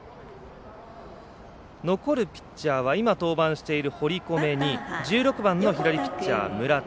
残るピッチャーは今、登板している堀米に１６番の左ピッチャー、村田。